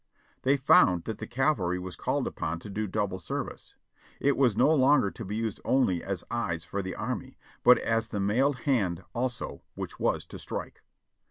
They found that the cavalry was called upon to do double service. It was no longer to be used only as eyes for the army, but as the mailed hand, also, which was to strike.